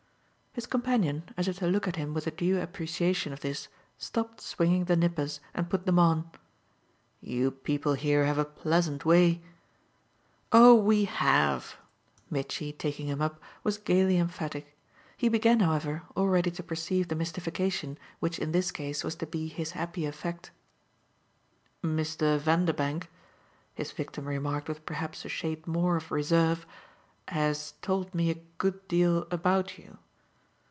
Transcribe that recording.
His companion, as if to look at him with a due appreciation of this, stopped swinging the nippers and put them on. "You people here have a pleasant way !" "Oh we HAVE!" Mitchy, taking him up, was gaily emphatic. He began, however, already to perceive the mystification which in this case was to be his happy effect. "Mr. Vanderbank," his victim remarked with perhaps a shade more of reserve, "has told me a good deal about you."